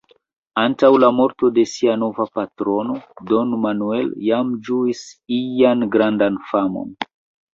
Antaŭ la morto de sia nova patrono, Don Manuel jam ĝuis ian grandan famon.